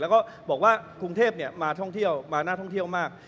แล้วก็บอกว่ากรุงเทพมาท่องเที่ยวมาน่าท่องเที่ยวมาก